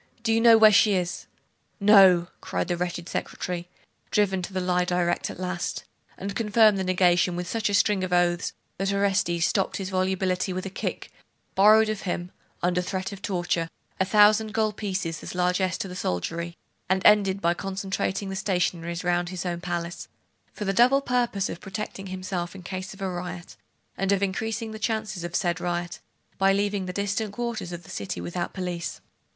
Do you know where she is?' 'No!' cried the wretched secretary, driven to the lie direct at last; and confirmed the negation with such a string of oaths, that Orestes stopped his volubility with a kick, borrowed of him, under threat of torture, a thousand gold pieces as largess to the soldiery, and ended by concentrating the stationaries round his own palace, for the double purpose of protecting himself in case of a riot, and of increasing the chances of the said riot, by leaving the distant quarters of the city without police.